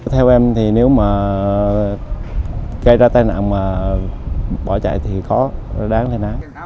theo em thì nếu mà gây ra tai nạn mà bỏ chạy thì khó đáng thế nào